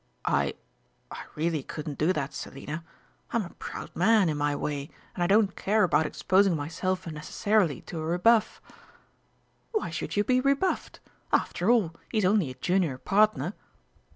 "I I really couldn't do that, Selina. I'm a proud man, in my way, and I don't care about exposing myself unnecessarily to a rebuff." "Why should you be rebuffed? After all, he's only a junior partner!"